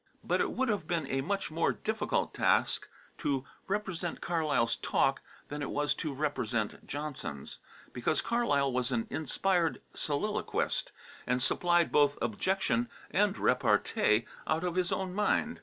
But it would have been a much more difficult task to represent Carlyle's talk than it was to represent Johnson's, because Carlyle was an inspired soliloquist, and supplied both objection and repartee out of his own mind.